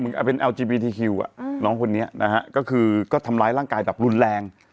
เอาเป็นแอลจีบีทีคิวน้องคนนี้นะฮะก็คือก็ทำร้ายร่างกายแบบรุนแรง